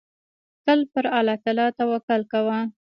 تل پر الله تعالی توکل کوه.